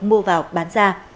mua vào bán ra